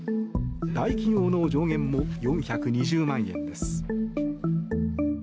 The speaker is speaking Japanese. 大企業の上限も４２０万円です。